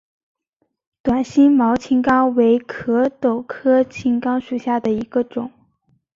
短星毛青冈为壳斗科青冈属下的一个种。